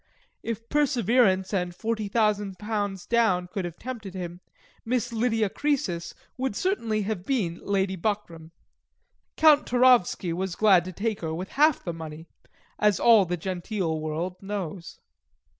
If perseverance and forty thousand pounds down could have tempted him, Miss Lydia Croesus would certainly have been Lady Buckram. Count Towrowski was glad to take her with half the meney, as all the genteel world knows.